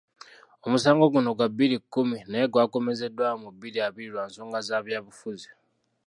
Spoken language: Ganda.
Omusango guno gwa bbiri kkumi naye gwakomezeddwawo mu bbiri abiri lwa nsonga za byabufuzi.